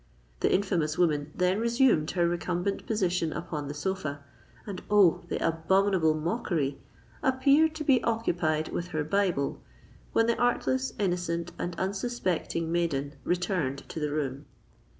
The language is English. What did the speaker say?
The infamous woman then resumed her recumbent position upon the sofa; and—oh! the abominable mockery!—appeared to be occupied with her Bible, when the artless, innocent, and unsuspecting maiden returned to the room.